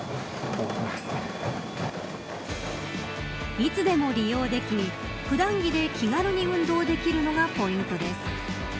いつでも利用でき普段着で気軽に運動できるのがポイントです。